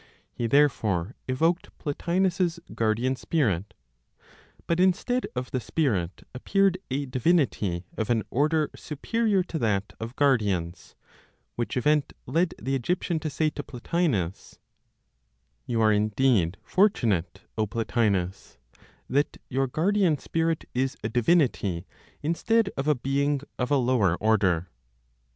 He therefore evoked Plotinos's guardian spirit. But instead of the spirit appeared a divinity of an order superior to that of guardians, which event led the Egyptian to say to Plotinos, "You are indeed fortunate, O Plotinos, that your guardian spirit is a divinity, instead of a being of a lower order."